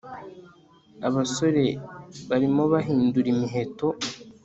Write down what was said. Abasore barimo bahindura imiheto